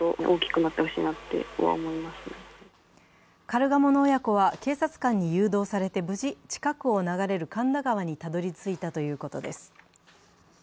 カルガモの親子は警察官に誘導されて無事、近くを流れる神田川にたどり着いたということです。